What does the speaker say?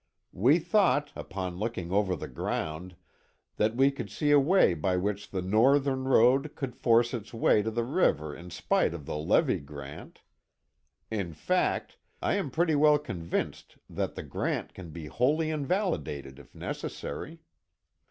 We thought, upon looking over the ground, that we could see a way by which the Northern road could force its way to the river in spite of the levee grant. In fact, I am pretty well convinced that the grant can be wholly invalidated if necessary.